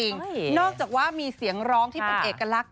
นอกจากว่ามีเสียงร้องที่เป็นเอกลักษณ